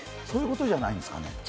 そういうことじゃないんですかね。